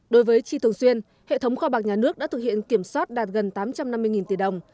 đối với chi thường xuyên hệ thống kho bạc nhà nước đã thực hiện kiểm soát đạt gần tám trăm năm mươi tỷ đồng